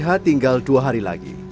hari h tinggal dua hari lagi